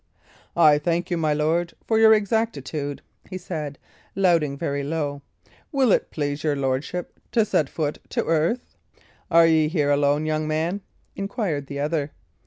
"I thank you, my lord, for your exactitude," he said, louting very low. "Will it please your lordship to set foot to earth?" "Are ye here alone, young man?" inquired the other.